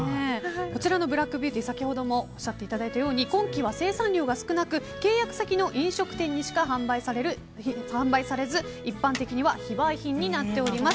こちらのブラックビューティー先ほどもおっしゃっていただいたように今季は生産量が少なく契約先の飲食店にしか販売されず一般的には非売品になっております。